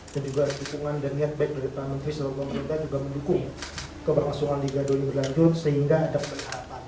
dan juga ada dukungan dan niat baik dari taman menteri dan taman komunikasi juga mendukung